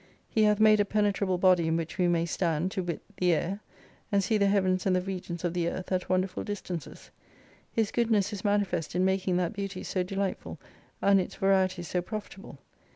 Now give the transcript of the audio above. He hath made a penetrable body in which we may stand, to wit the air, and see the Heavens and the regions of the Earth, at wonderful distances. His goodness is manifest in making that beauty so delight ful, and its varieties so profitable.